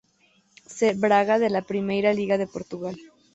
C. Braga de la Primeira Liga de Portugal.